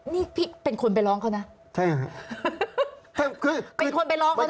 นี่พี่เป็นคนไปร้องเขานะ